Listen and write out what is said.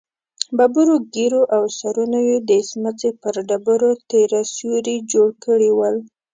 ببرو ږېرو او سرونو يې د سمڅې پر ډبرو تېره سيوري جوړ کړي ول.